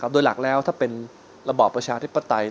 โดยหลักแล้วถ้าเป็นระบอบประชาธิปไตย